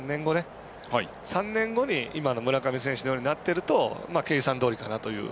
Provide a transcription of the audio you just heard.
３年後に今の村上選手のようになってると計算どおりかなと。